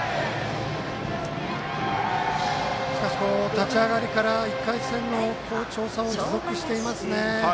立ち上がりから１回戦の好調さを持続させていますね。